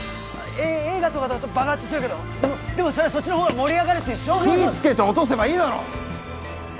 映画とかだと爆発するけどでもそれはそっちのほうが盛り上がる火つけて落とせばいいだろ！